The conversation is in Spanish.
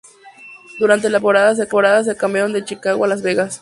Durante la primera temporada se cambiaron de Chicago a Las Vegas.